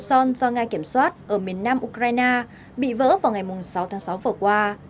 son do nga kiểm soát ở miền nam ukraine bị vỡ vào ngày sáu tháng sáu vừa qua